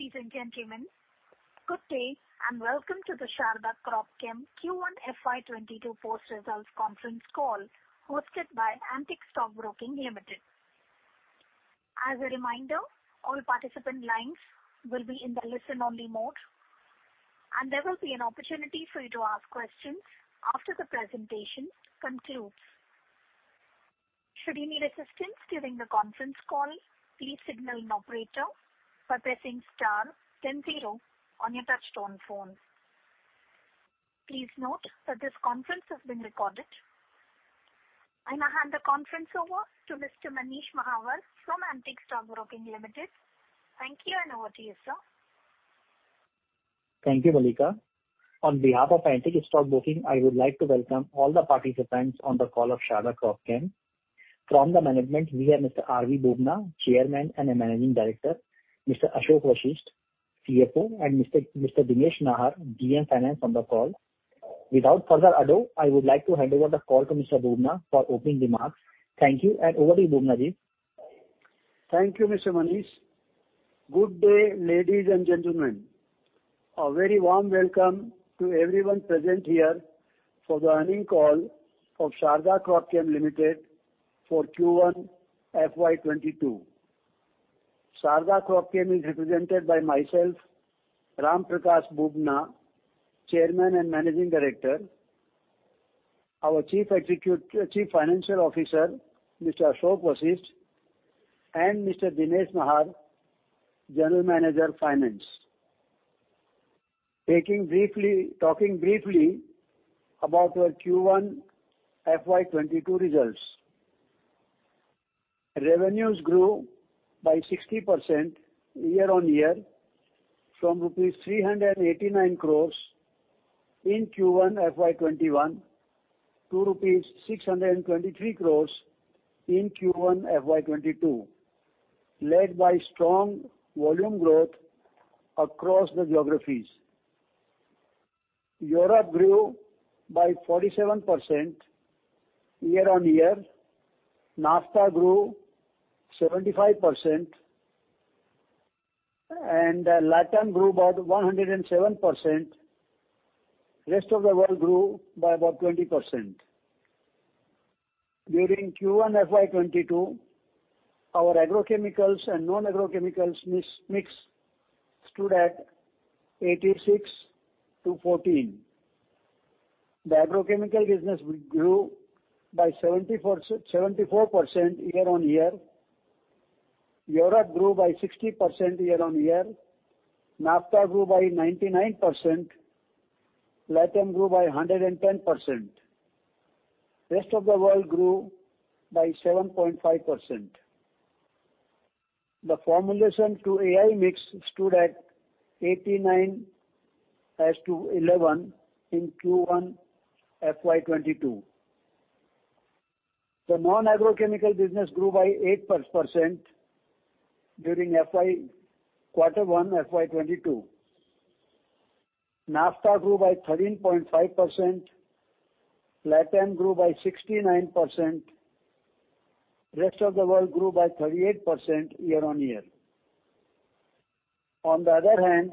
Ladies and gentlemen, good day, and welcome to the Sharda Cropchem Q1 FY 2022 post-results conference call hosted by Antique Stock Broking Limited. As a reminder, all participant lines will be in the listen-only mode, and there will be an opportunity for you to ask questions after the presentation concludes. Should you need assistance during the conference call, please signal an operator by pressing star then zero on your touch-tone phone. Please note that this conference has been recorded. I now hand the conference over to Mr. Manish Mahawar from Antique Stock Broking Limited. Thank you, and over to you, sir. Thank you, Mallika. On behalf of Antique Stock Broking, I would like to welcome all the participants on the call of Sharda Cropchem. From the management, we have Mr. R.V. Bubna, Chairman and Managing Director, Mr. Ashok Vashisht, CFO, and Mr. Dinesh Nahar, GM Finance on the call. Without further ado, I would like to hand over the call to Mr. Bubna for opening remarks. Thank you, and over to you, Bubna. Thank you, Mr. Manish. Good day, ladies and gentlemen. A very warm welcome to everyone present here for the earning call of Sharda Cropchem Limited for Q1 FY 2022. Sharda Cropchem is represented by myself, Ramprakash Bubna, Chairman and Managing Director, our Chief Financial Officer, Mr. Ashok Vashisht, and Mr. Dinesh Nahar, General Manager, Finance. Talking briefly about our Q1 FY 2022 results. Revenues grew by 60% year-on-year from rupees 389 crores in Q1 FY 2021 to rupees 623 crores in Q1 FY 2022, led by strong volume growth across the geographies. Europe grew by 47% year-on-year, NAFTA grew 75%, and LATAM grew about 107%. Rest of the world grew by about 20%. During Q1 FY 2022, our agrochemicals and non-agrochemicals mix stood at 86:14. The agrochemical business grew by 74% year-on-year. Europe grew by 60% year-on-year. NAFTA grew by 99%. LATAM grew by 110%. Rest of the World grew by 7.5%. The formulation to AI mix stood at 89:11 in Q1 FY 2022. The non-agrochemical business grew by 8% during Q1 FY 2022. NAFTA grew by 13.5%. LATAM grew by 69%. Rest of the World grew by 38% year on year. On the other hand,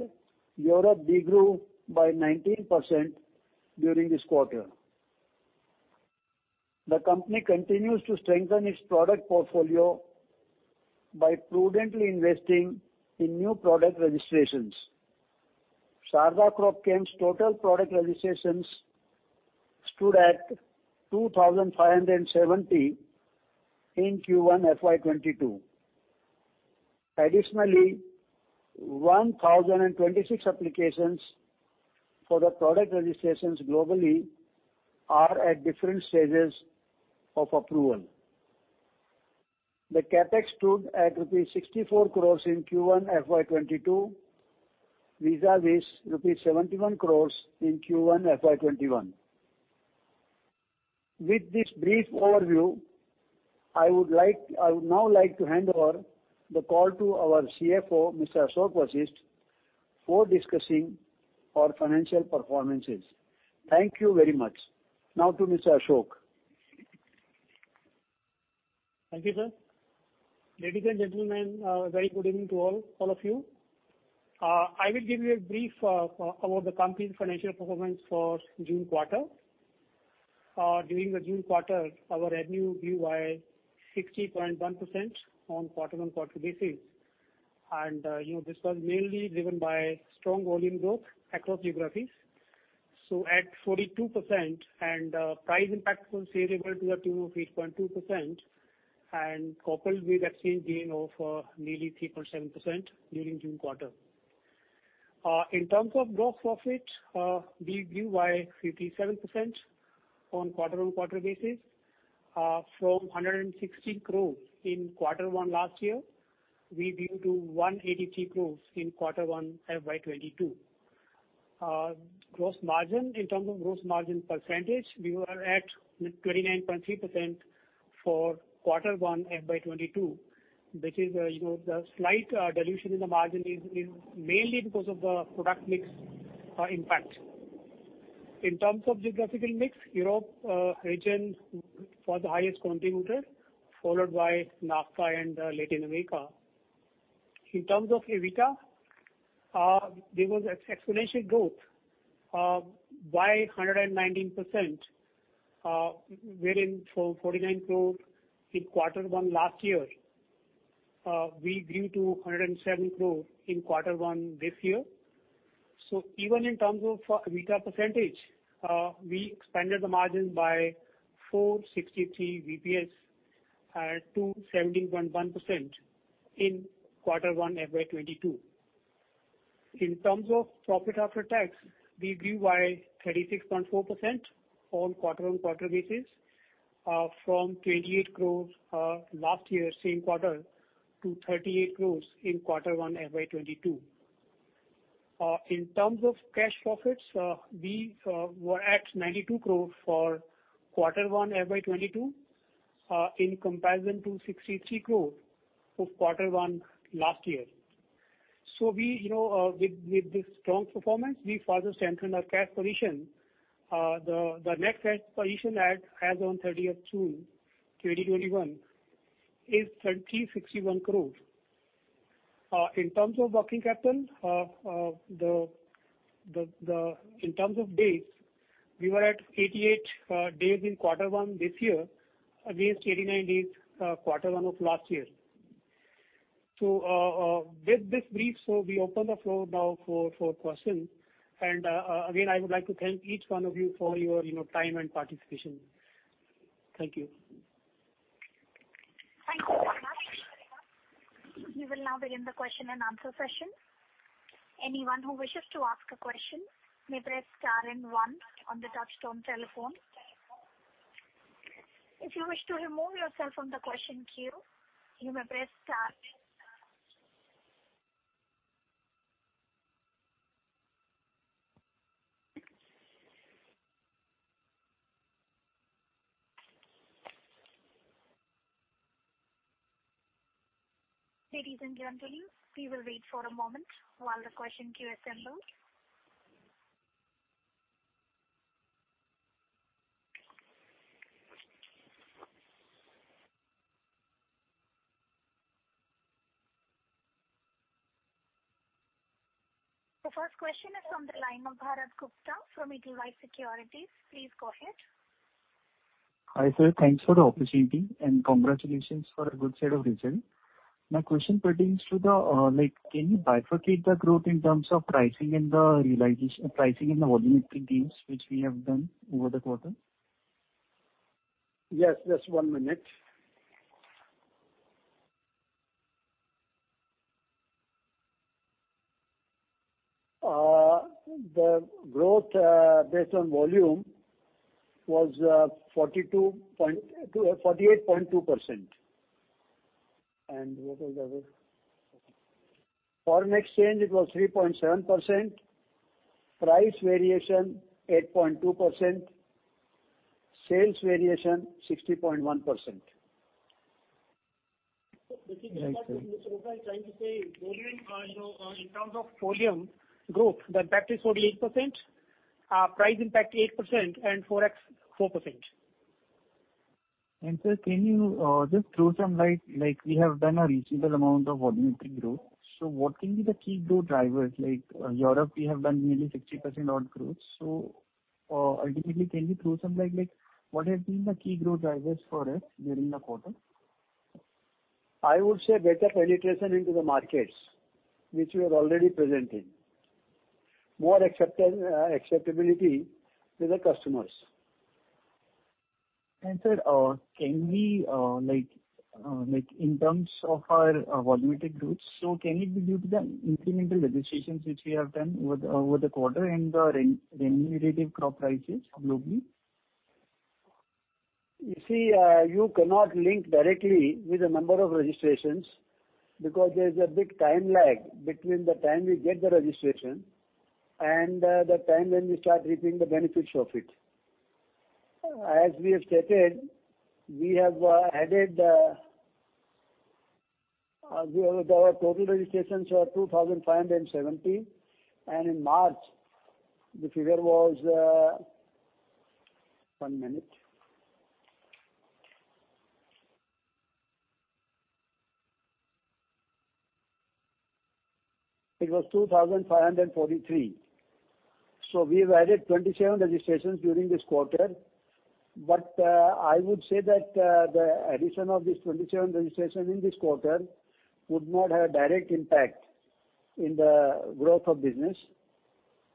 Europe de-grew by 19% during this quarter. The company continues to strengthen its product portfolio by prudently investing in new product registrations. Sharda Cropchem's total product registrations stood at 2,570 in Q1 FY 2022. Additionally, 1,026 applications for the product registrations globally are at different stages of approval. The CapEx stood at rupees 64 crores in Q1 FY 2022, vis-à-vis rupees 71 crores in Q1 FY 2021. With this brief overview, I would now like to hand over the call to our CFO, Mr. Ashok Vashisht, for discussing our financial performances. Thank you very much. Now to Mr. Ashok. Thank you, sir. Ladies and gentlemen, a very good evening to all of you. I will give you a brief about the company's financial performance for June quarter. During the June quarter, our revenue grew by 60.1% on quarter-on-quarter basis. This was mainly driven by strong volume growth across geographies. At 42% and price impact was favorable to the tune of 8.2%, and coupled with exchange gain of nearly 3.7% during June quarter. In terms of gross profit, we grew by 57% on quarter-on-quarter basis. From 116 crores in quarter one last year, we grew to 183 crores in quarter one FY 2022. In terms of gross margin percentage, we were at 29.3% for quarter one FY 2022, which is the slight dilution in the margin is mainly because of the product mix impact. In terms of geographical mix, Europe region was the highest contributor, followed by NAFTA and Latin America. In terms of EBITDA, there was exponential growth by 119%, wherein from 49 crores in quarter one last year, we grew to 107 crores in quarter one this year. Even in terms of EBITDA percentage, we expanded the margin by 463 basis points to 71.1% in quarter one FY 2022. In terms of profit after tax, we grew by 36.4% on quarter-on-quarter basis from 28 crores last year same quarter to 38 crores in quarter one FY 2022. In terms of cash profits, we were at 92 crores for quarter one FY 2022 in comparison to 63 crores for quarter one last year. With this strong performance, we further strengthen our cash position. The net cash position as on June 30th, 2021 is 3,061 crores. In terms of working capital, in terms of days, we were at 88 days in quarter one this year against 89 days quarter one of last year. With this brief, we open the floor now for questions. Again, I would like to thank each one of you for your time and participation. Thank you. Thank you very much. We will now begin the question and answer session. Anyone who wishes to ask a question may press star and one on the touch-tone telephone. If you wish to remove yourself from the question queue, you may press star. Ladies and gentlemen, we will wait for a moment while the question queue assembles. The first question is on the line of Bharat Gupta from Edelweiss Securities. Please go ahead. Hi, sir. Thanks for the opportunity and congratulations for a good set of results. My question pertains to, can you bifurcate the growth in terms of pricing and the volumetric gains which we have done over the quarter? Yes, just one minute. The growth based on volume was 48.2%. What was the other? Okay. Foreign exchange, it was 3.7%, price variation 8.2%, sales variation 60.1%. Right, sir. With regard to what Mr. Gupta is trying to say, in terms of volume growth, the impact is 48%, price impact 8%, and forex 4%. Sir, can you just throw some light, like we have done a reasonable amount of volumetric growth. What can be the key growth drivers? Like Europe we have done nearly 60% odd growth. Ultimately can you throw some light, like what have been the key growth drivers for us during the quarter? I would say better penetration into the markets which we are already present in. More acceptability with the customers. Sir, in terms of our volumetric growth, can it be due to the incremental registrations which we have done over the quarter and the remunerative crop prices globally? You see, you cannot link directly with the number of registrations because there is a big time lag between the time we get the registration and the time when we start reaping the benefits of it. As we have stated, our total registrations were 2,570 and in March the figure was- One minute. It was 2,543. We've added 27 registrations during this quarter. I would say that the addition of these 27 registrations in this quarter would not have direct impact in the growth of business.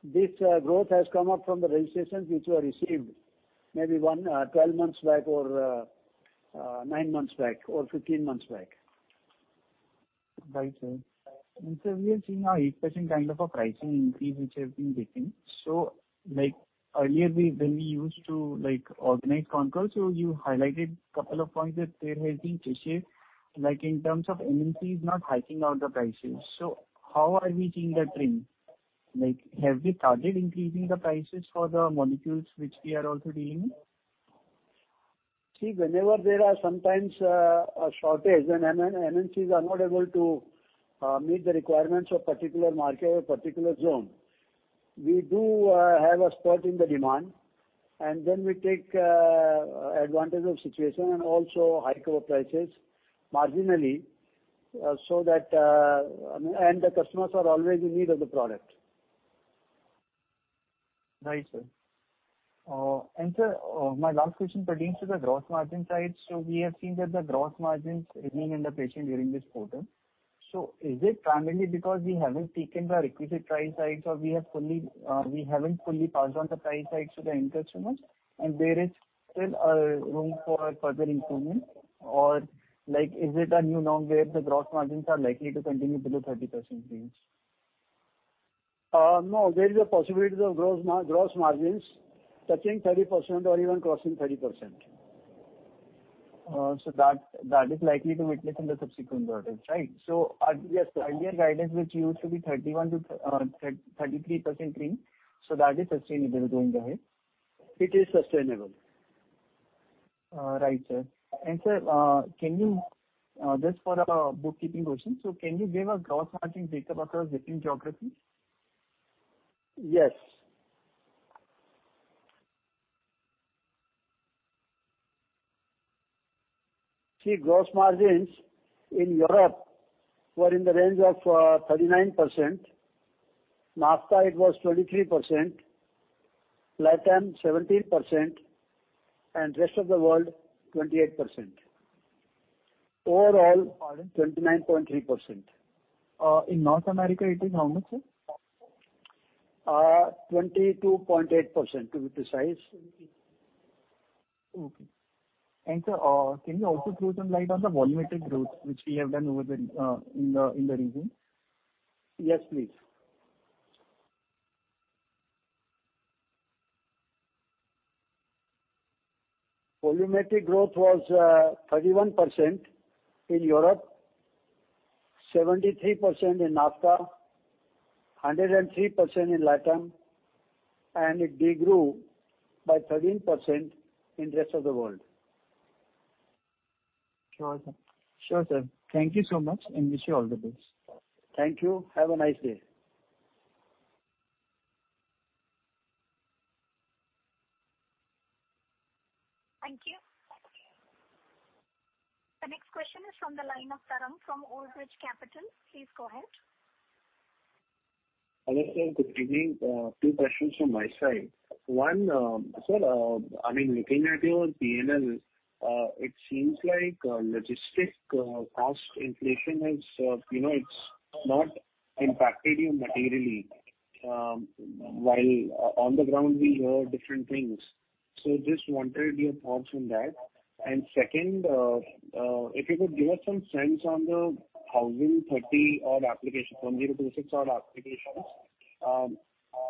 This growth has come up from the registrations which were received maybe 12 months back or nine months back or 15 months back. Right, sir. Sir, we are seeing now 8% kind of a pricing increase which have been taken. Earlier when we used to organize concall, so you highlighted a couple of points that there has been stasis, like in terms of MNCs not hiking up the prices. How are we seeing that trend? Have we targeted increasing the prices for the molecules which we are also dealing? See, whenever there are sometimes a shortage and MNCs are not able to meet the requirements of a particular market or particular zone, we do have a spurt in the demand, and then we take advantage of the situation and also hike our prices marginally. The customers are always in need of the product. Right, sir. Sir, my last question pertains to the gross margin side. We have seen that the gross margins remain impaired during this quarter. Is it primarily because we haven't taken the requisite price hikes, or we haven't fully passed on the price hikes to the end customers and there is still room for further improvement? Is it a new norm where the gross margins are likely to continue below 30% range? No, there is a possibility of gross margins touching 30% or even crossing 30%. That is likely to witness in the subsequent quarters, right? Earlier guidance, which used to be 31%-33% range. That is sustainable going ahead. It is sustainable. Right, sir. Sir, just for a bookkeeping question, can you give a gross margin data across different geographies? Yes. See, gross margins in Europe were in the range of 39%. NAFTA it was 23%, LATAM 17%, and Rest of the World, 28%. Pardon? 29.3%. In North America it is how much, sir? 22.8% to be precise. Okay. Sir, can you also throw some light on the volumetric growth which we have done in the region? Yes, please. Volumetric growth was 31% in Europe, 73% in NAFTA, 103% in LATAM, and it de-grew by 13% in Rest of the World. Sure, sir. Thank you so much and wish you all the best. Thank you. Have a nice day. Thank you. The next question is from the line of Tarang from Old Bridge Capital. Please go ahead. Hello, sir. Good evening. Two questions from my side. One, sir, looking at your P&L, it seems like logistic cost inflation has not impacted you materially. While on the ground we hear different things. Just wanted your thoughts on that. Second, if you could give us some sense on the 1,030-odd applications, 1,026 odd applications,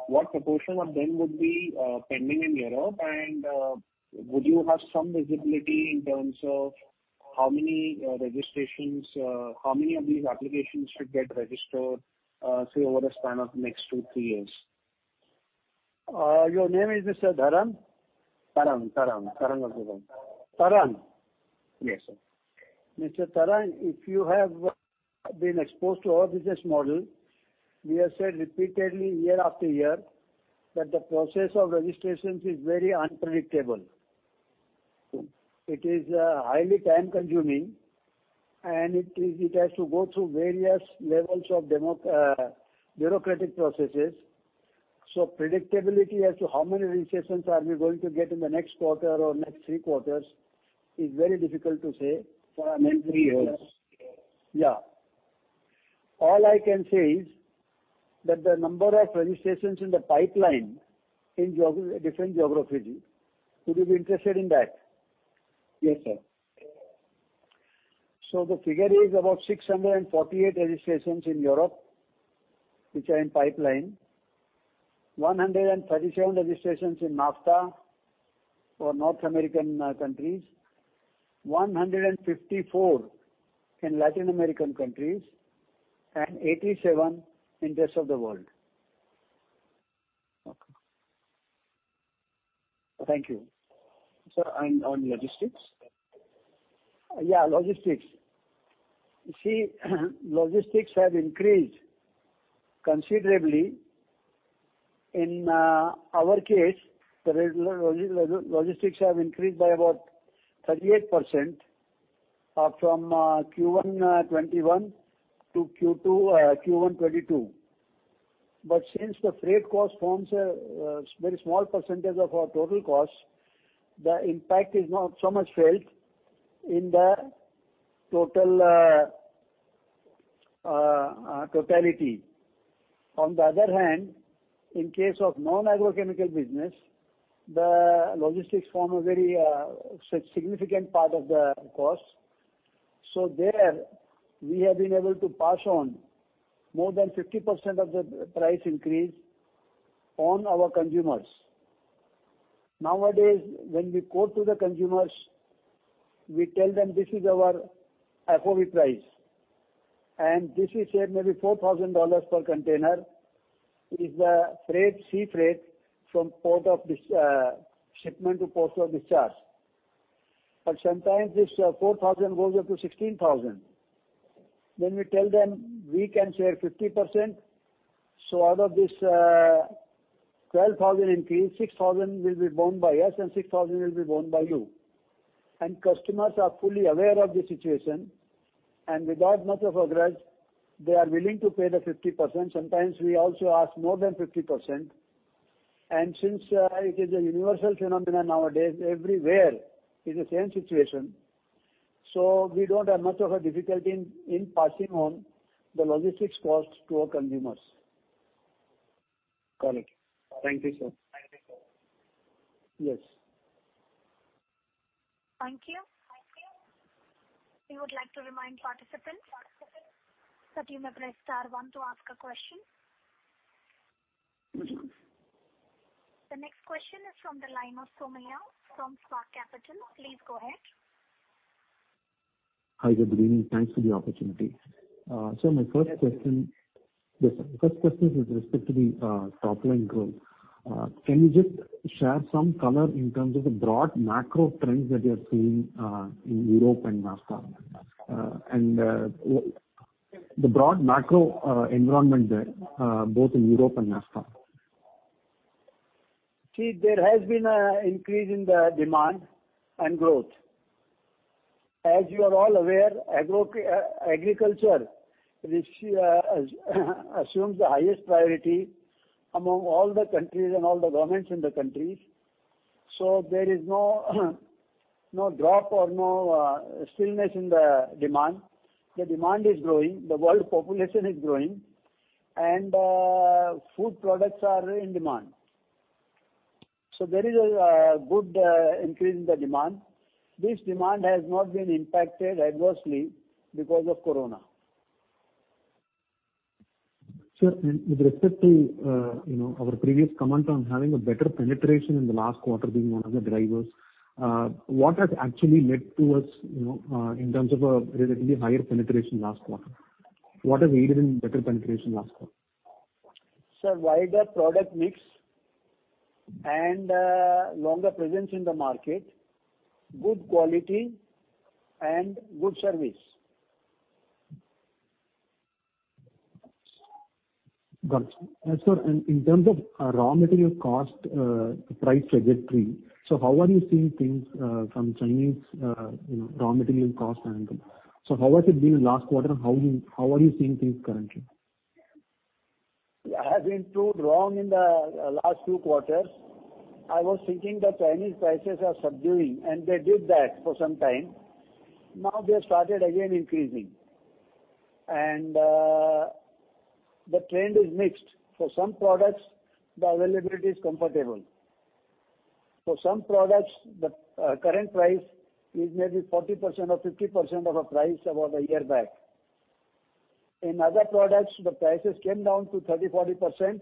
what proportion of them would be pending in Europe? Would you have some visibility in terms of how many of these applications should get registered, say, over a span of next two, three years? Your name is, Mr. Tarang? Tarang Agrawal. Tarang. Yes, sir. Mr. Tarang, if you have been exposed to our business model, we have said repeatedly year after year, that the process of registrations is very unpredictable. It is highly time-consuming, and it has to go through various levels of bureaucratic processes. Predictability as to how many registrations are we going to get in the next quarter or next three quarters is very difficult to say for three years. Three years. Yeah. All I can say is that the number of registrations in the pipeline in different geographies. Would you be interested in that? Yes, sir. The figure is about 648 registrations in Europe, which are in pipeline, 137 registrations in NAFTA or North American countries, 154 in Latin American countries, and 87 in Rest of the World. Okay. Thank you. Sir, on logistics? Yeah, logistics. See, logistics have increased considerably. In our case, the logistics have increased by about 38% from Q1 FY 2021 to Q1 FY 2022. Since the freight cost forms a very small percentage of our total cost, the impact is not so much felt in the totality. On the other hand, in case of non-agrochemical business, the logistics form a very significant part of the cost. There, we have been able to pass on more than 50% of the price increase on our consumers. Nowadays, when we quote to the consumers, we tell them this is our FOB price. This we save maybe $4,000 per container, is the sea freight from shipment to port of discharge. Sometimes this $4,000 goes up to $16,000. We tell them we can save 50%. Out of this $12,000 increase, $6,000 will be borne by us and $6,000 will be borne by you. Customers are fully aware of the situation, and without much of a grudge, they are willing to pay the 50%. Sometimes we also ask more than 50%. Since it is a universal phenomenon nowadays, everywhere is the same situation, we don't have much of a difficulty in passing on the logistics cost to our consumers. Correct. Thank you, sir. Yes. Thank you. We would like to remind participants that you may press star one to ask a question. The next question is from the line of Somaiah from Spark Capital. Please go ahead. Hi, good evening. Thanks for the opportunity. Sir, my first question is with respect to the top-line growth. Can you just share some color in terms of the broad macro trends that you are seeing in Europe and NAFTA? The broad macro environment there, both in Europe and NAFTA. There has been an increase in the demand and growth. As you are all aware, agriculture assumes the highest priority among all the countries and all the governments in the countries. There is no drop or no stillness in the demand. The demand is growing, the world population is growing, and food products are in demand. There is a good increase in the demand. This demand has not been impacted adversely because of corona. Sir, with respect to our previous comment on having a better penetration in the last quarter being one of the drivers, what has actually led to us in terms of a relatively higher penetration last quarter? What has aided in better penetration last quarter? Sir, wider product mix and longer presence in the market, good quality, and good service. Got it. Sir. In terms of raw material cost price trajectory, so how are you seeing things from Chinese raw material cost angle? How has it been in last quarter and how are you seeing things currently? I have been too wrong in the last two quarters. I was thinking the Chinese prices are subduing, and they did that for some time. Now they have started again increasing. The trend is mixed. For some products, the availability is comfortable. For some products, the current price is maybe 40% or 50% of a price about a year back. In other products, the prices came down to 30%, 40%,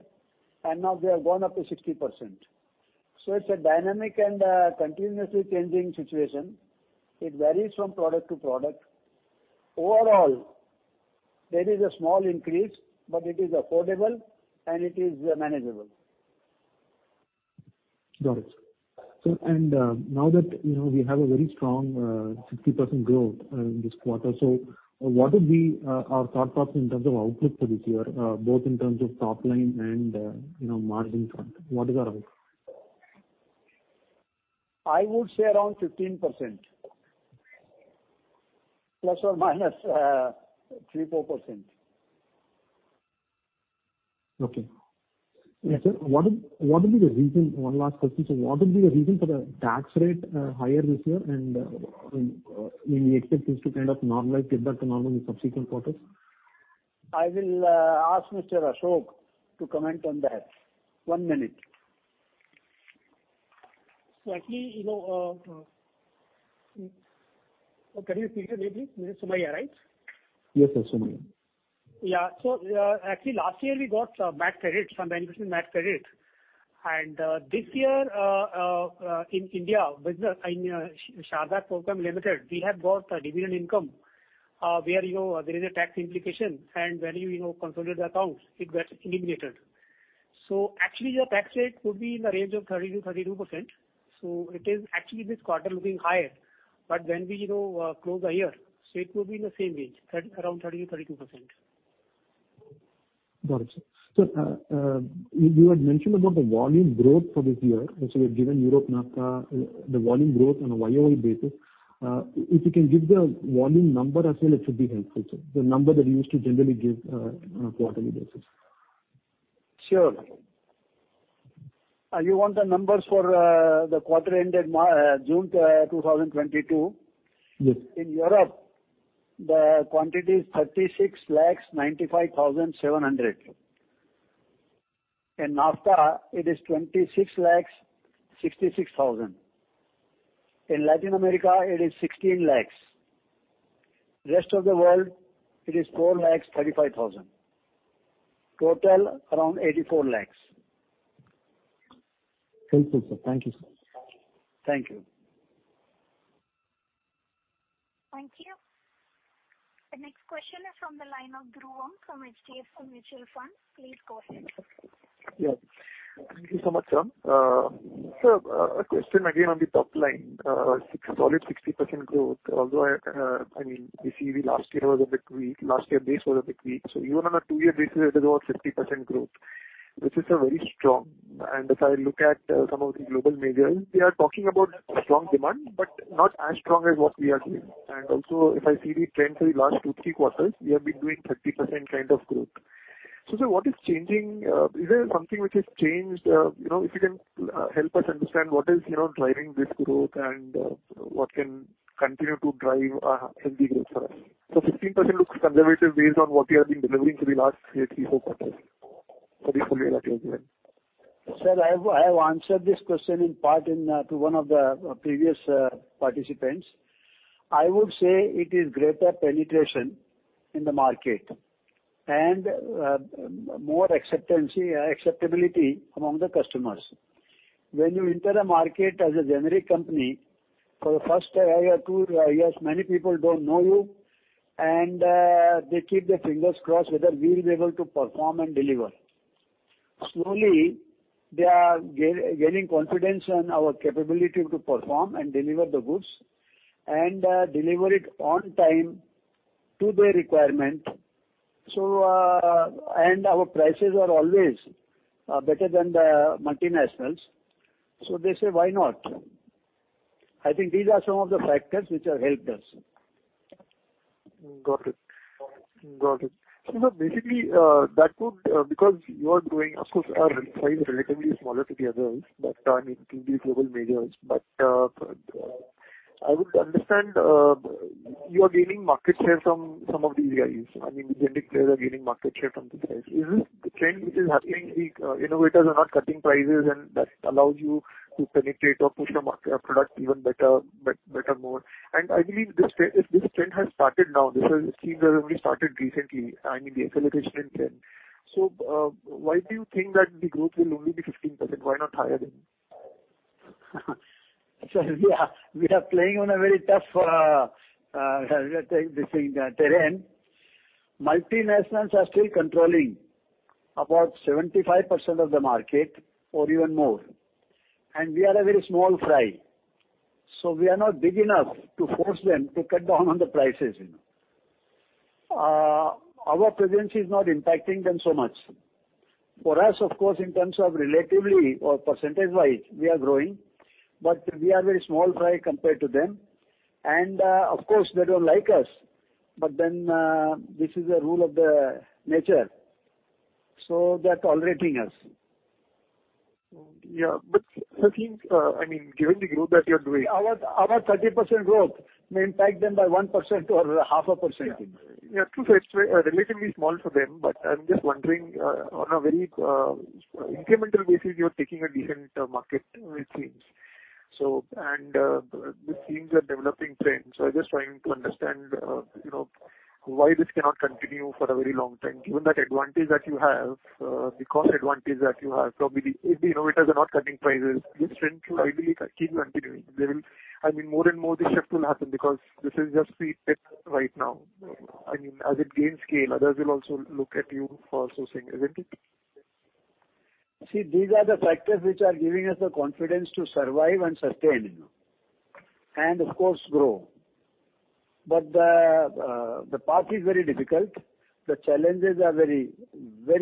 and now they have gone up to 60%. It's a dynamic and continuously changing situation. It varies from product to product. Overall, there is a small increase, but it is affordable and it is manageable. Got it. Sir, now that we have a very strong 60% growth in this quarter, so what would be our thought process in terms of outlook for this year, both in terms of top line and margin front? What is our hope? I would say around 15%, ±3%-4%. Okay. Sir, one last question. What would be the reason for the tax rate higher this year, and do we expect this to kind of get back to normal in subsequent quarters? I will ask Mr. Ashok to comment on that. One minute. Can you speak a little bit? This is Somaiah, right? Yes, sir. Somaiah. Actually last year we got some benefits from MAT credit. This year, in India, Sharda Cropchem Limited, we have got a dividend income, where there is a tax implication, and when you consolidate the accounts, it gets eliminated. Actually your tax rate would be in the range of 30%-32%. It is actually this quarter looking higher. When we close the year, it will be in the same range, around 30%-32%. Got it, sir. Sir, you had mentioned about the volume growth for this year, and so you had given Europe, NAFTA, the volume growth on a YoY basis. If you can give the volume number as well, it should be helpful, sir. The number that you used to generally give on a quarterly basis. Sure. You want the numbers for the quarter ended June 2022? Yes. In Europe, the quantity is 3,695,700. In NAFTA, it is 2,666,000. In Latin America, it is 16 lakhs. Rest of the world, it is 435,000. Total, around 84 lakhs. Thank you, sir. Thank you. Thank you. The next question is from the line of Dhruvam from HDFC Mutual Fund. Please go ahead. Yeah. Thank you so much, ma'am. Sir, a question again on the top line. A solid 60% growth, although, I mean, we see the last year was a bit weak, last year base was a bit weak. Even on a two-year basis, it is about 50% growth, which is very strong. If I look at some of the global majors, they are talking about strong demand, but not as strong as what we are seeing. Also, if I see the trends for the last two, three quarters, we have been doing 30% kind of growth. Sir, what is changing? Is there something which has changed? If you can help us understand what is driving this growth and what can continue to drive healthy growth for us. 15% looks conservative based on what we have been delivering for the last three or four quarters. For the full year that you have given. Sir, I have answered this question in part to one of the previous participants. I would say it is greater penetration in the market and more acceptability among the customers. When you enter a market as a generic company, for the first one or two years, many people don't know you, and they keep their fingers crossed whether we will be able to perform and deliver. Slowly, they are gaining confidence in our capability to perform and deliver the goods, and deliver it on time to their requirement. Our prices are always better than the multinationals, so they say, "Why not?" I think these are some of the factors which have helped us. Got it. Sir, basically, because you are growing, of course, our size is relatively smaller to the others, I mean, to the global majors. I would understand you are gaining market share from some of the APIs. I mean, the generic players are gaining market share from this. Is this the trend which is happening, the innovators are not cutting prices, and that allows you to penetrate or push your product even better? I believe this trend has started now. This has only started recently. I mean, the acceleration in trend. Why do you think that the growth will only be 15%? Why not higher than that? Sir, we are playing on a very tough terrain. Multinationals are still controlling about 75% of the market or even more. We are a very small fry, so we are not big enough to force them to cut down on the prices. Our presence is not impacting them so much. For us, of course, in terms of relatively or percentage-wise, we are growing, but we are very small fry compared to them. Of course, they don't like us, but then this is the rule of nature. They're tolerating us. Yeah. Sir, I mean, given the growth that you're doing- Our 30% growth may impact them by 1% or half a percent. True, sir. It's relatively small for them. I'm just wondering on a very incremental basis, you're taking a decent market, it seems. It seems a developing trend. I'm just trying to understand why this cannot continue for a very long time, given that advantage that you have, the cost advantage that you have. Probably if the innovators are not cutting prices, this trend will ideally keep on continuing. I mean, more and more this shift will happen because this is just the tip right now. I mean, as it gains scale, others will also look at you for sourcing, isn't it? See, these are the factors which are giving us the confidence to survive and sustain, and of course, grow. The path is very difficult. The challenges are very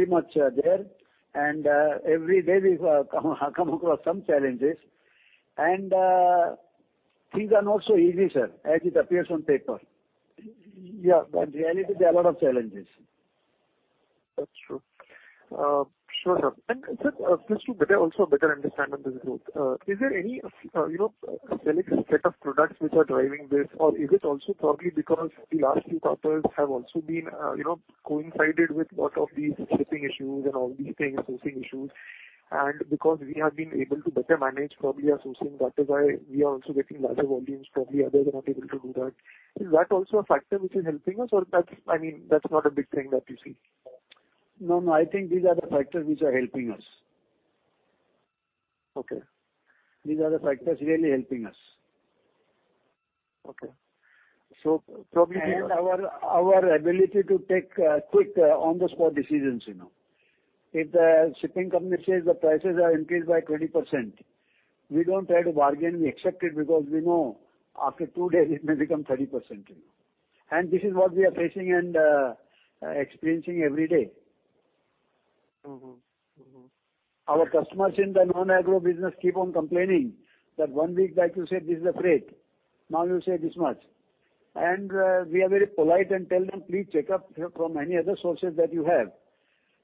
much there, and every day we come across some challenges, and things are not so easy, sir, as it appears on paper. Yeah. In reality, there are a lot of challenges. That's true. Sure, sir. Sir, just to also better understand on this growth, is there any set of products which are driving this? Or is it also probably because the last few quarters have also coincided with a lot of these shipping issues and all these things, sourcing issues, because we have been able to better manage probably our sourcing, that is why we are also getting larger volumes, probably others are not able to do that. Is that also a factor which is helping us? Or that's not a big thing that you see? No, I think these are the factors which are helping us. Okay. These are the factors really helping us. Okay. Our ability to take quick, on-the-spot decisions. If the shipping company says the prices are increased by 20%, we don't try to bargain. We accept it because we know after two days it may become 30%. This is what we are facing and experiencing every day. Our customers in the non-agro business keep on complaining that one week back you said this is the freight, now you say this much. We are very polite and tell them, "Please check up from any other sources that you have."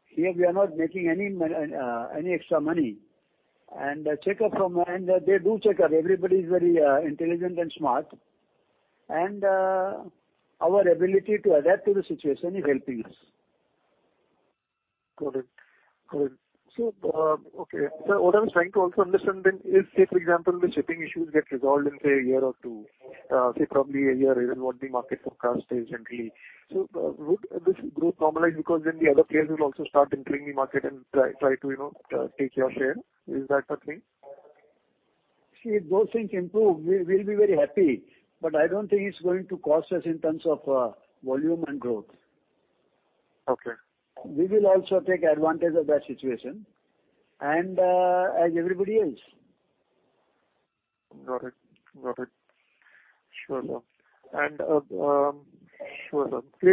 Here we are not making any extra money, and they do check up. Everybody's very intelligent and smart, and our ability to adapt to the situation is helping us. Got it. Okay. Sir, what I was trying to also understand then is, say, for example, the shipping issues get resolved in, say, a year or two. Say probably a year is what the market forecast is currently. Would this growth normalize? Because then the other players will also start entering the market and try to take your share. Is that a thing? If those things improve, we'll be very happy. I don't think it's going to cost us in terms of volume and growth. Okay. We will also take advantage of that situation and as everybody else. Got it. Sure. Great,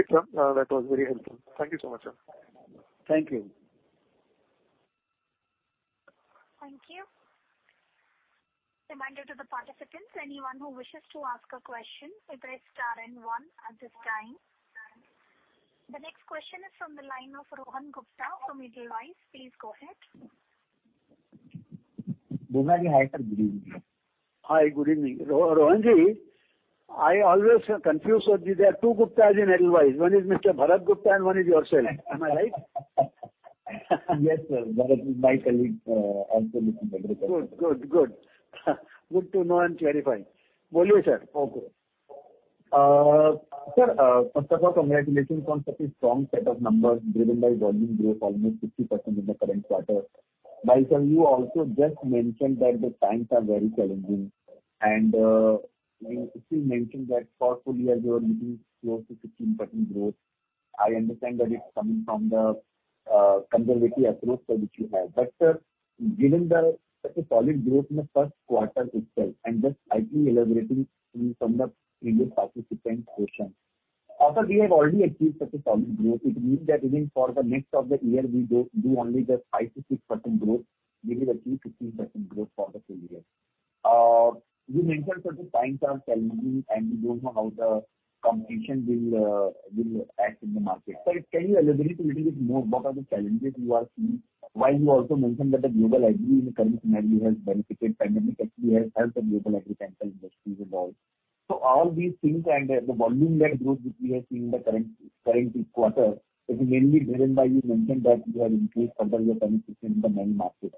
sir. That was very helpful. Thank you so much, sir. Thank you. Thank you. Reminder to the participants, anyone who wishes to ask a question, you press star and one at this time. The next question is from the line of Rohan Gupta from Edelweiss. Please go ahead. Bubnaji, hi sir, good evening. Hi, good evening. Rohanji, I always confuse there are two Guptas in Edelweiss. One is Mr. Bharat Gupta and one is yourself. Am I right? Yes, sir. Bharat is my colleague also with Edelweiss. Good. Good to know and clarify. Go ahead, sir. Okay. Sir, first of all, congratulations on such a strong set of numbers driven by volume growth almost 50% in the current quarter. Sir, you also just mentioned that the times are very challenging, and you still mentioned that for a full year you are looking close to 15% growth. I understand that it's coming from the conservative approach that you have. Sir, given such a solid growth in the first quarter itself and just I think elaborating from the previous participant's question, we have already achieved such a solid growth. It means that even for the rest of the year we do only just 5%-6% growth, we will achieve 15% growth for the full year. You mentioned such times are challenging, and we don't know how the competition will act in the market. Sir, can you elaborate a little bit more what are the challenges you are seeing? While you also mentioned that the global agri in the current scenario has benefited. Pandemic actually has helped the global agricultural industries and all. All these things and the volume and growth which we are seeing in the current quarter is mainly driven by, you mentioned that you have increased further your penetration in the main market.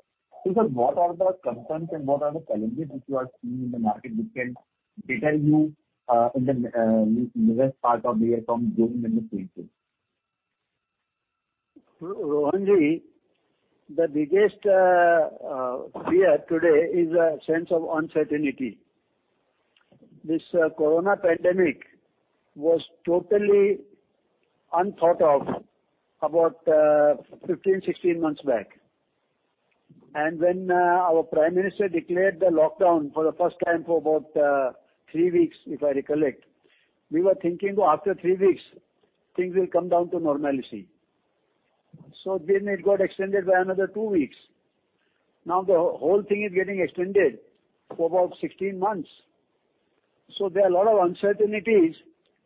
Sir, what are the concerns and what are the challenges which you are seeing in the market which can deter you in the latter part of the year from doing anything? Rohanji, the biggest fear today is a sense of uncertainty. This corona pandemic was totally unthought of about 15, 16 months back. When our prime minister declared the lockdown for the first time for about three weeks, if I recollect, we were thinking after three weeks things will come down to normalcy. Then it got extended by another two weeks. Now the whole thing is getting extended for about 16 months. There are a lot of uncertainties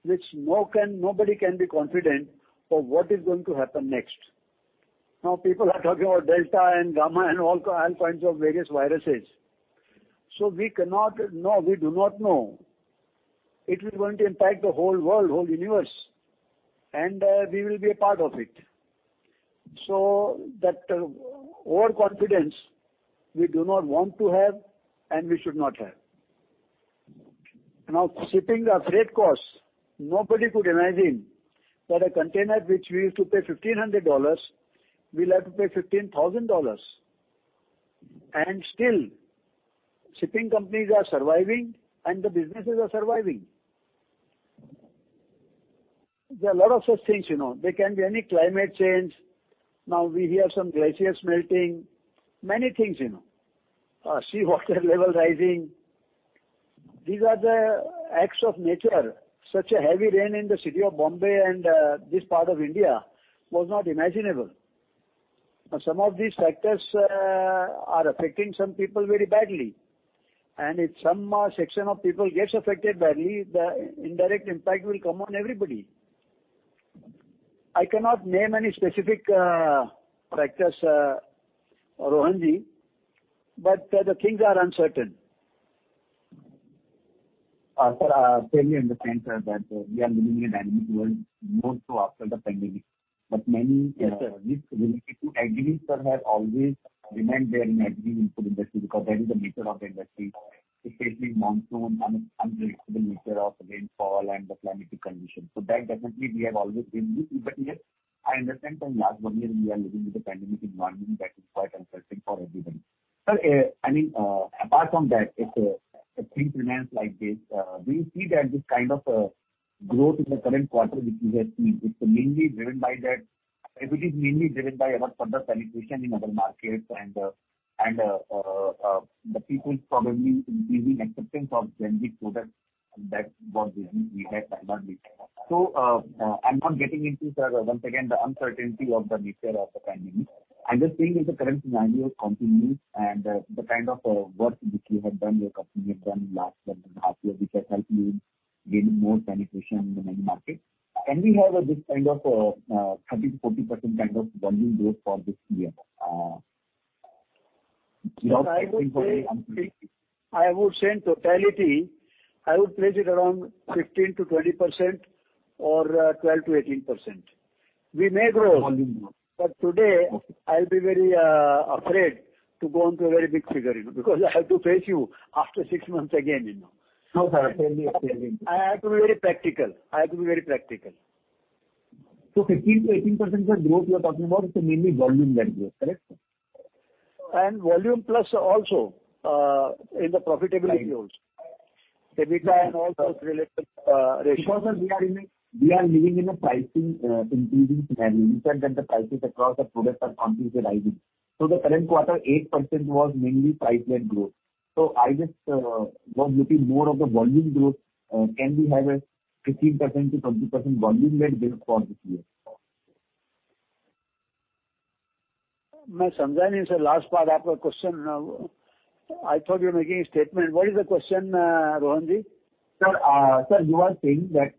which nobody can be confident of what is going to happen next. Now people are talking about Delta and Gamma and all kinds of various viruses. We cannot know. We do not know. It is going to impact the whole world, whole universe, and we will be a part of it. That overconfidence we do not want to have and we should not have. Now shipping or freight costs, nobody could imagine that a container which we used to pay $1,500, we'll have to pay $15,000. Still shipping companies are surviving and the businesses are surviving. There are a lot of such things. There can be any climate change. Now we hear some glaciers melting. Many things. Sea water level rising. These are the acts of nature. Such a heavy rain in the city of Bombay and this part of India was not imaginable. Now some of these factors are affecting some people very badly. If some section of people gets affected badly, the indirect impact will come on everybody. I cannot name any specific factors, Rohanji, but the things are uncertain. Sir, fairly understand, sir, that we are living in a dynamic world, more so after the pandemic. Many risks related to agri, sir, have always remained there in agri-input industry because that is the nature of the industry, especially monsoon, unpredictable nature of rainfall and the climatic conditions. That definitely we have always been used to. Yes, I understand, sir, in last one year we are living with the pandemic environment that is quite uncertain for everyone. Sir, apart from that, if things remain like this, do you see that this kind of growth in the current quarter which we are seeing, if it is mainly driven by our further penetration in other markets and the people probably increasing acceptance of generic products that was released we had sometime later. I'm not getting into, sir, once again, the uncertainty of the nature of the pandemic. I'm just seeing if the current scenario continues and the kind of work which you have done, your company have done in the last one and a half year, which has helped you in gaining more penetration in the main market. Can we have this kind of 30%-40% kind of volume growth for this year? I would say in totality, I would place it around 15%-20% or 12%-18%. We may grow. Volume growth. Today I'll be very afraid to go onto a very big figure, because I have to face you after six months again. No, sir. Fairly I have to be very practical. 15%-18% of growth you are talking about, it's mainly volume that grows. Correct? Volume plus also in the profitability also. Right. EBITDA and all those related ratios. We are living in a pricing increasing scenario. You said that the prices across the products are continuously rising. The current quarter, 8% was mainly price-led growth. I just was looking more of the volume growth. Can we have a 15%-20% volume-led growth for this year? I didn't understand the last part of your question. I thought you were making a statement. What is the question, Rohanji? Sir, you are saying that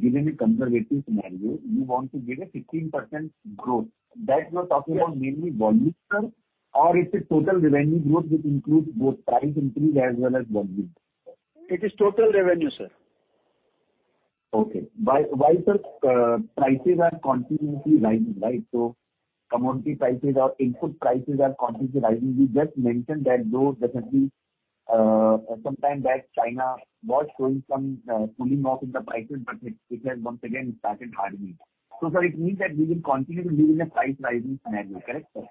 given the conservative scenario, you want to give a 15% growth. That you are talking about mainly volume, sir? It's a total revenue growth which includes both price increase as well as volume? It is total revenue, sir. Okay. Why, sir, prices are continuously rising? Commodity prices or input prices are continuously rising. You just mentioned that though definitely sometime back China was showing some cooling off in the prices, but it has once again started hardening. Sir, it means that we will continue to be in a price rising scenario, correct sir?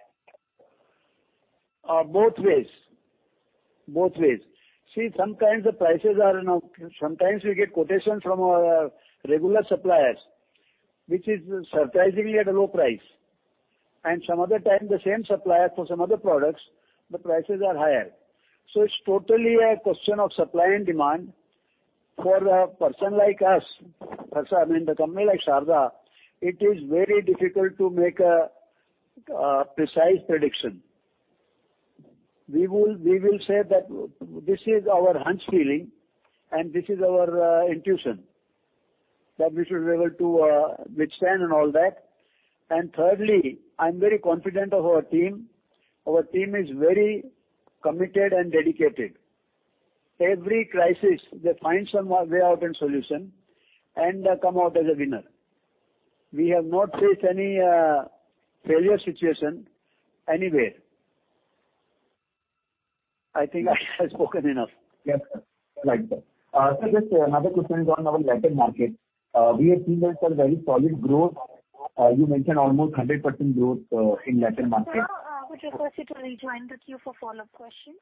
Both ways. See, sometimes we get quotations from our regular suppliers, which is surprisingly at a low price. Some other time, the same supplier for some other products, the prices are higher. It's totally a question of supply and demand. For a person like us, I mean, the company like Sharda, it is very difficult to make a precise prediction. We will say that this is our hunch feeling and this is our intuition, that we should be able to withstand and all that. Thirdly, I'm very confident of our team. Our team is very committed and dedicated. Every crisis, they find some way out and solution and come out as a winner. We have not faced any failure situation anywhere. I think I have spoken enough. Yes, sir. Right, sir. Sir, just another question is on our Latin market. We have seen that a very solid growth. You mentioned almost 100% growth in Latin market- Sir, would request you to rejoin the queue for follow-up questions.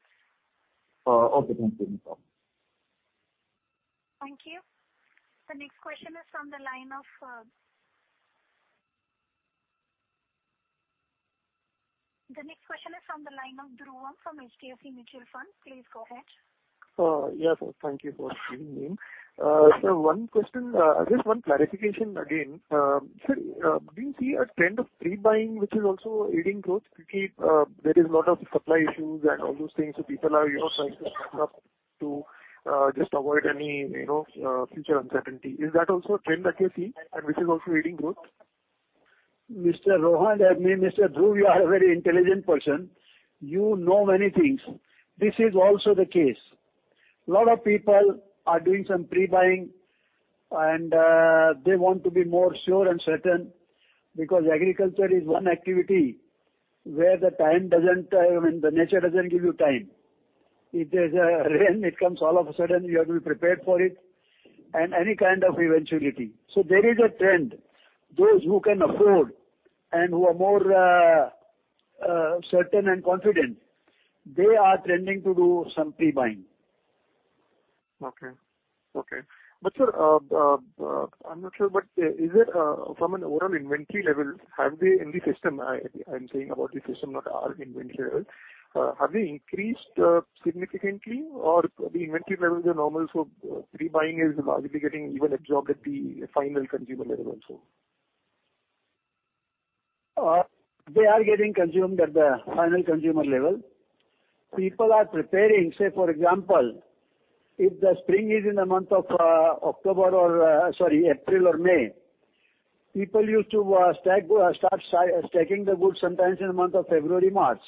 Okay. Thank you. No problem. Thank you. The next question is from the line of Dhruvam from HDFC Mutual Fund. Please go ahead. Yes, sir. Thank you for giving me. Sir, one question. Just one clarification again. Sir, do you see a trend of pre-buying which is also aiding growth? Quickly, there is a lot of supply issues and all those things, people are trying to stock up to just avoid any future uncertainty. Is that also a trend that you see, and which is also aiding growth? Mr. Rohan, I mean, Mr. Dhruvam, you are a very intelligent person. You know many things. This is also the case. Lot of people are doing some pre-buying, and they want to be more sure and certain because agriculture is one activity where the nature doesn't give you time. If there's a rain, it comes all of a sudden, you have to be prepared for it, and any kind of eventuality. There is a trend. Those who can afford and who are more certain and confident, they are trending to do some pre-buying. Okay. Sir, I'm not sure, from an overall inventory level, have they in the system, I'm saying about the system, not our inventory level. Have they increased significantly or the inventory levels are normal, pre-buying is largely getting even absorbed at the final consumer level also? They are getting consumed at the final consumer level. People are preparing. Say, for example, if the spring is in the month of April or May, people used to start stacking the goods sometimes in the month of February, March.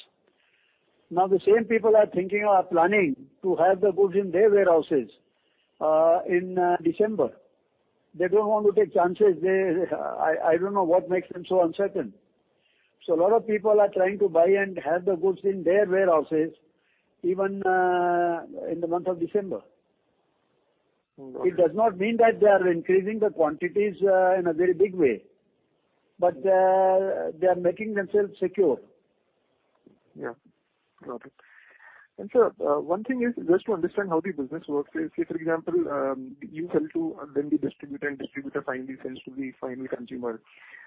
Now the same people are thinking or are planning to have the goods in their warehouses in December. They don't want to take chances. I don't know what makes them so uncertain. A lot of people are trying to buy and have the goods in their warehouses, even in the month of December. Okay. It does not mean that they are increasing the quantities in a very big way. They are making themselves secure. Yeah. Got it. Sir, one thing is just to understand how the business works. For example, you sell to the distributor, the distributor finally sells to the final consumer.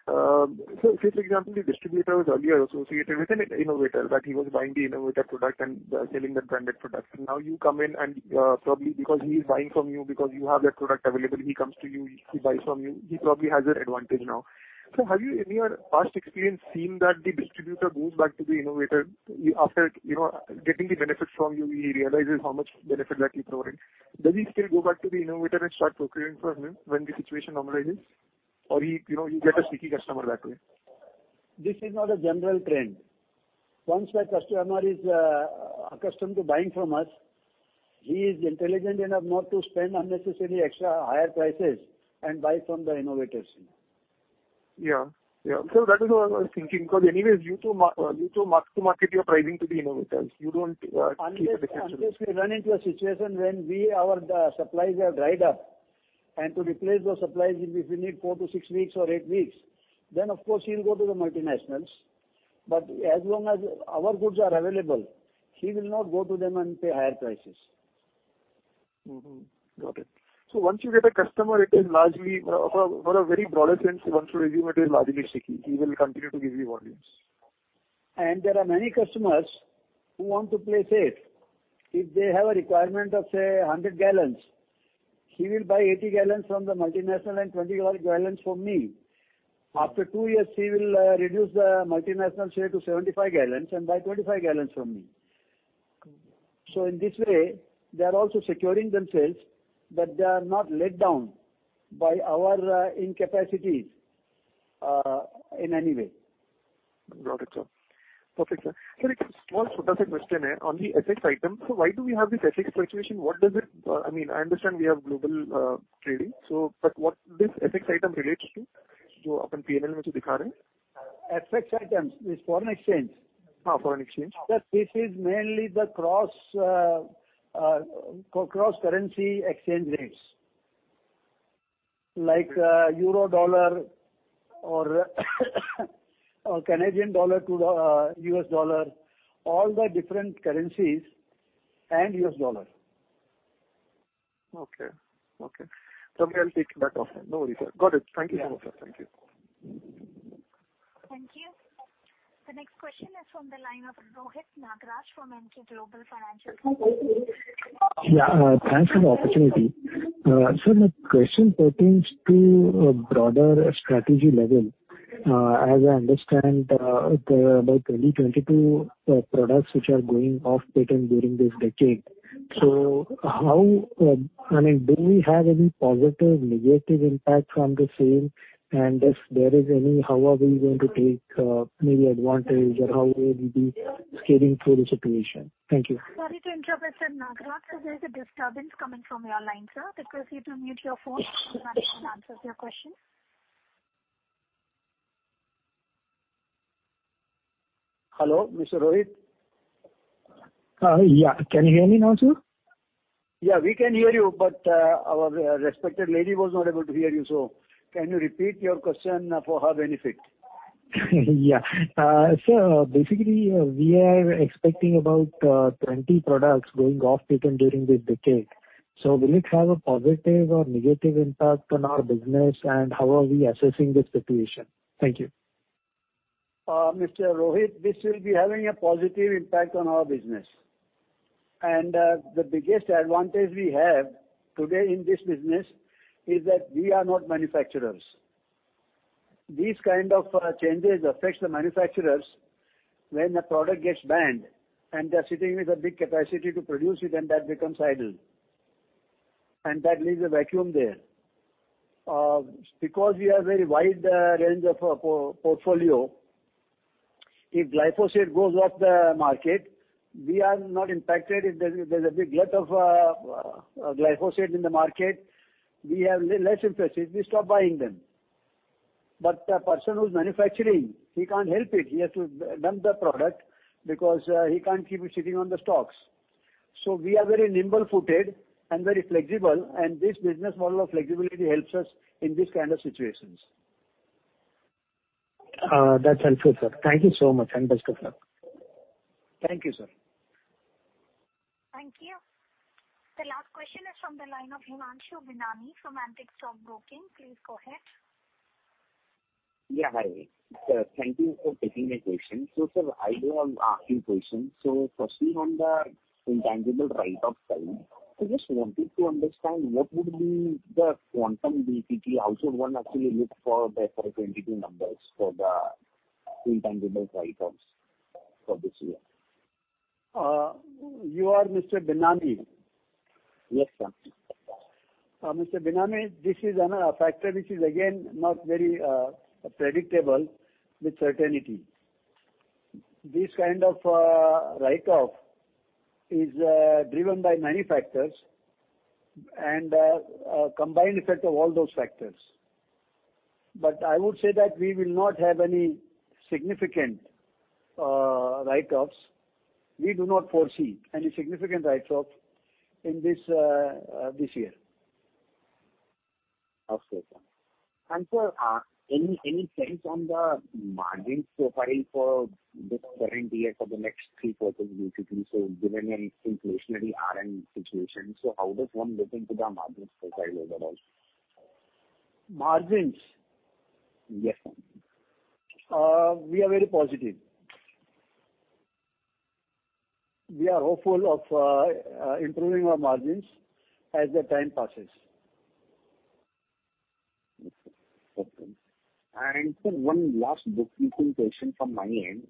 Sir, for example, the distributor was earlier associated with an innovator. He was buying the innovator product and selling that branded product. Now you come in. Probably because he is buying from you, because you have that product available, he comes to you, he buys from you. He probably has an advantage now. Sir, have you in your past experience seen that the distributor goes back to the innovator after getting the benefits from you, he realizes how much benefit he is providing? Does he still go back to the innovator and start procuring from him when the situation normalizes? You get a sticky customer that way? This is not a general trend. Once my customer is accustomed to buying from us, he is intelligent enough not to spend unnecessary extra higher prices and buy from the innovators. Yeah. Sir, that is what I was thinking, because anyways you too mark to market your pricing to the innovators. You don't keep a differential. Unless we run into a situation when our supplies have dried up. To replace those supplies, if you need four to six weeks or eight weeks, then of course he'll go to the multinationals. As long as our goods are available, he will not go to them and pay higher prices. Got it. Once you get a customer, it is largely, for a very broad sense, once you resume, it is largely sticky. He will continue to give you volumes. There are many customers who want to play safe. If they have a requirement of, say, 100 gal, he will buy 80 gal from the multinational and 20 gal from me. After two years, he will reduce the multinational share to 75 gal and buy 25 gal from me. Okay. In this way, they are also securing themselves that they are not let down by our incapacities in any way. Got it, sir. Perfect, sir. Sir, it's a small question. On the FX item, why do we have this FX fluctuation? I understand we have global trading, what this FX item relates to, that you have shown in the P&L? FX items is foreign exchange. Foreign exchange. Sir, this is mainly the cross-currency exchange rates. Like Euro-Dollar or Canadian dollar to US dollar, all the different currencies and US dollar. Okay. Somewhere I'll take that off. No worries, sir. Got it. Thank you so much, sir. Thank you. Thank you. The next question is from the line of Rohit Nagraj from Emkay Global Financial. Yeah. Thanks for the opportunity. Sir, my question pertains to a broader strategy level. As I understand, about 20, 22 products which are going off patent during this decade. Do we have any positive, negative impact from the sale, and if there is any, how are we going to take maybe advantage, or how will we be scaling through the situation? Thank you. Sorry to interrupt, Mr. Nagraj. Sir, there's a disturbance coming from your line, sir. Request you to mute your phone. Management will answer your question. Hello, Mr. Rohit. Yeah. Can you hear me now, sir? Yeah, we can hear you, but our respected lady was not able to hear you, so can you repeat your question for her benefit? Yeah. Sir, basically, we are expecting about 20 products going off patent during this decade. Will it have a positive or negative impact on our business, and how are we assessing the situation? Thank you. Mr. Rohit, this will be having a positive impact on our business. The biggest advantage we have today in this business is that we are not manufacturers. These kind of changes affects the manufacturers when a product gets banned and they're sitting with a big capacity to produce it, and that becomes idle. That leaves a vacuum there. Because we have very wide range of portfolio, if glyphosate goes off the market, we are not impacted. If there's a big glut of glyphosate in the market, we have less emphasis, we stop buying them. A person who's manufacturing, he can't help it. He has to dump the product because he can't keep it sitting on the stocks. We are very nimble-footed and very flexible, and this business model of flexibility helps us in these kind of situations. That's helpful, sir. Thank you so much. Best of luck. Thank you, sir. Thank you. The last question is from the line of Himanshu Binani from Antique Stock Broking. Please go ahead. Yeah, hi. Thank you for taking my question. Sir, I do have a few questions. Firstly, on the intangible write-off side, I just wanted to understand what would be the quantum basically. How should one actually look for the FY 2022 numbers for the intangible write-offs for this year? You are Mr. Binani? Yes, sir. Mr. Binani, this is another factor which is again, not very predictable with certainty. This kind of write-off is driven by many factors and a combined effect of all those factors. I would say that we will not have any significant write-offs. We do not foresee any significant write-off this year. Okay, sir. Sir, any sense on the margin profile for this current year for the next three quarters basically? Given an inflationary RM situation, how does one look into the margin profile overall? Margins? Yes, sir. We are very positive. We are hopeful of improving our margins as the time passes. Okay. Sir, one last bookkeeping question from my end.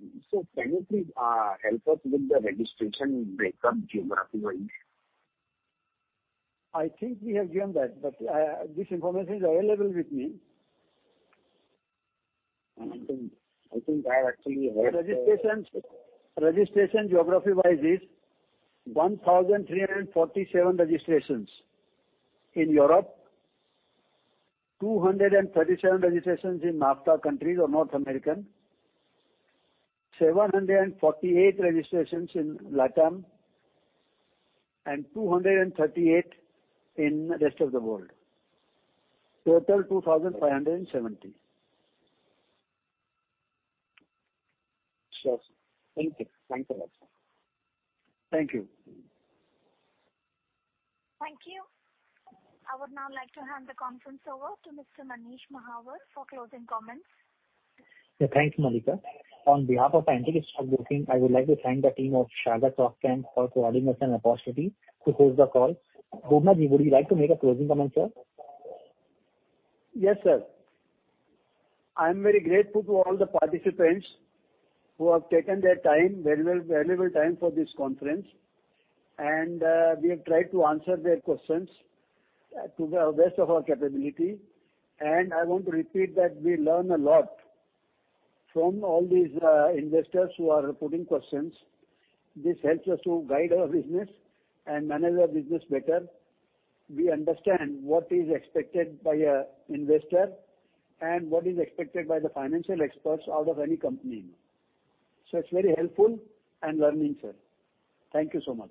Can you please help us with the registration breakup geography-wise? I think we have given that, but this information is available with me. I think I've actually- Registration geography-wise is 1,347 registrations in Europe, 237 registrations in NAFTA countries or North American, 748 registrations in LATAM, 238 in the Rest of the World. Total, 2,570. Sure. Thank you. Thanks a lot, sir. Thank you. Thank you. I would now like to hand the conference over to Mr. Manish Mahawar for closing comments. Yeah. Thanks, Mallika. On behalf of Antique Stock Broking, I would like to thank the team of Sharda Cropchem for coordinating an opportunity to host the call. Bubnaji, would you like to make a closing comment, sir? Yes, sir. I am very grateful to all the participants who have taken their valuable time for this conference, we have tried to answer their questions to the best of our capability. I want to repeat that we learn a lot from all these investors who are putting questions. This helps us to guide our business and manage our business better. We understand what is expected by an investor and what is expected by the financial experts out of any company. It is very helpful and learning, sir. Thank you so much.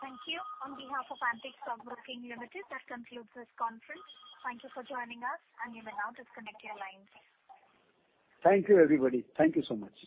Thank you. On behalf of Antique Stock Broking Limited, that concludes this conference. Thank you for joining us, and you may now disconnect your lines. Thank you, everybody. Thank you so much.